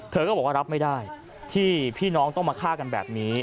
เธอก็บอกว่ารับไม่ได้ที่พี่น้องต้องมาฆ่ากันแบบนี้